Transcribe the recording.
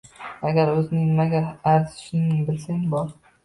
Agar o’zing nimaga arzishingni bilsang bor.